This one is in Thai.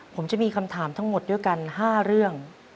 ผมจะมีคำถามทั้งหมดด้วยกัน๕เรื่อง